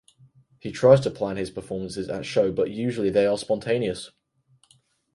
He tries to plan his performances at show but usually they are spontaneous.